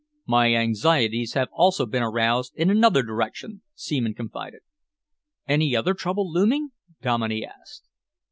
"My anxieties have also been aroused in another direction," Seaman confided. "Any other trouble looming?" Dominey asked.